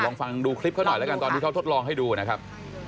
ลองฟังดูคลิปเขาหน่อยแล้วกันตอนที่เขาทดลองให้ดูนะครับ